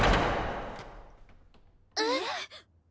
えっ？